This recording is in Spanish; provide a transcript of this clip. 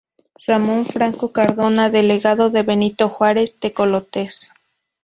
Ramón Franco Cardona Delegado de Benito Juárez Tecolotes.